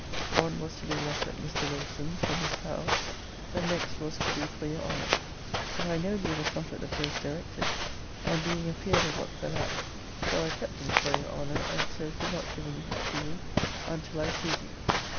One was to be left at Mr. Wilson's for Miss Howe. The next was to be for your Honner. But I knowed you was not at the plase directed; and being afear'd of what fell out, so I kept them for your Honner, and so could not give um to you, until I seed you.